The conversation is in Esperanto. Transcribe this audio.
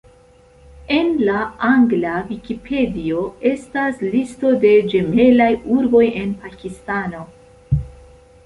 En la angla Vikipedio estas listo de ĝemelaj urboj en Pakistano.